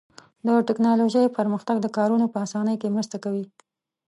د تکنالوژۍ پرمختګ د کارونو په آسانۍ کې مرسته کوي.